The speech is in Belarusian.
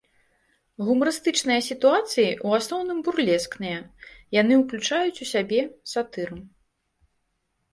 Гумарыстычныя сітуацыі ў асноўным бурлескныя, яны ўключаюць ў сябе сатыру.